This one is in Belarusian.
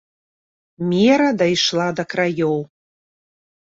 Мера дайшла да краёў.